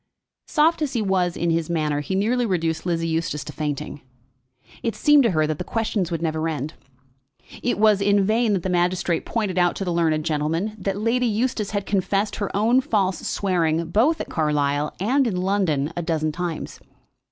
Soft as he was in his manner, he nearly reduced Lizzie Eustace to fainting. It seemed to her that the questions would never end. It was in vain that the magistrate pointed out to the learned gentleman that Lady Eustace had confessed her own false swearing, both at Carlisle and in London, a dozen times.